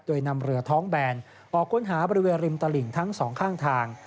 โดยนำเรือท้องแบนออกค้นหาบริเวณริมตลิ่งทั้งสองข้างทาง